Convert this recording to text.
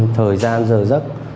thời gian dờ dất